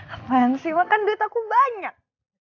apaan sih makan duit aku banyak